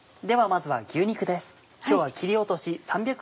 ではまずは牛肉です今日は。